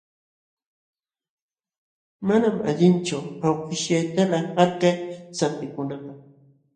Manam allinchu awkishyaytalaq qalkay sampikunapaq.